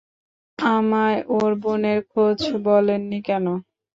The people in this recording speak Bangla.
আমায় ওর বোনের খোঁজ বলেননি কেন?